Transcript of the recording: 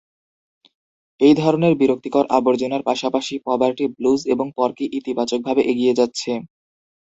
এই ধরনের বিরক্তিকর আবর্জনার পাশাপাশি "পবারটি ব্লুজ" এবং "পর্কী" ইতিবাচকভাবে এগিয়ে যাচ্ছে।